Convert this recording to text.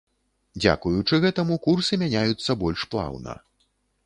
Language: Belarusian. Дзякуючы гэтаму, курсы мяняюцца больш плаўна.